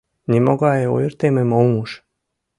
Нимогай ойыртемым ом уж».